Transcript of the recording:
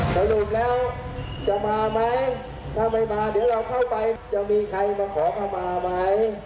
สรุปแล้วจะมาไหม